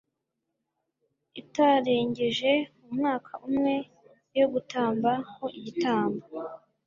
itarengeje umwaka umwe yo gutamba ho igitambo